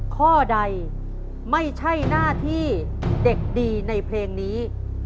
ข้อใดไม่ใช่หน้าที่เด็กดีในเพลงนี้